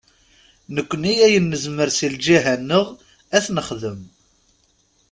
Nekkni ayen nezmer seg lǧiha-nneɣ ad t-nexdem.